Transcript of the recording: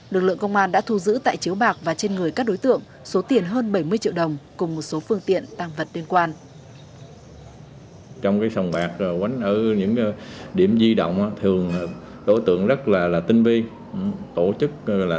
lực lượng công an đã thu giữ tại chiếu bạc và trên người các đối tượng số tiền hơn bảy mươi triệu đồng cùng một số phương tiện tăng vật liên quan